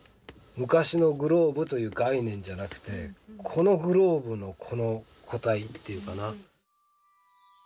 昔のグローブという概念じゃなくてこのグローブのこの個体っていうかな。